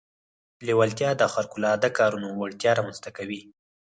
لېوالتیا د خارق العاده کارونو وړتيا رامنځته کوي.